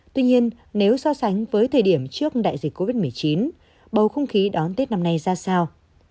tuy nhiên nếu so sánh với thời điểm trước đại dịch covid một mươi chín bầu không khí đón tết năm nay ra sao